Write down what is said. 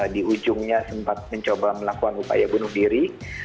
di ujungnya sempat mencoba melakukan upaya bunuh diri